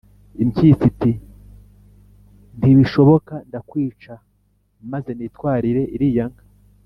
Impyisi iti :"Ntibishoboka, ndakwica maze nitwarire iriya nka